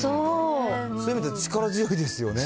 そういう意味で、力強いですよね。